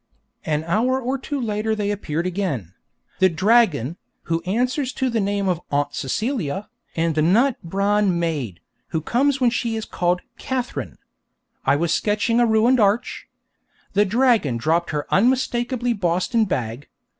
An hour or two later they appeared again the dragon, who answers to the name of 'Aunt Celia,' and the 'nut brown mayde,' who comes when she is called 'Katharine.' I was sketching a ruined arch. The dragon dropped her unmistakably Boston bag.